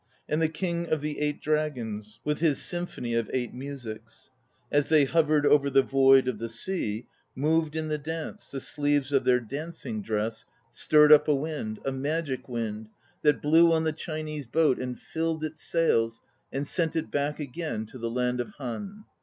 And the King of the Eight Dragons With his Symphony of Eight Musics. As they hovered over the void of the sea, Moved in the dance, the sleeves of their dancing dress 1 They do not appear on the stage. HAKU RAKUTEN 215 Stirred up a wind, a magic wind That blew on the Chinese boat And filled its sails And sent it back again to the land of Han.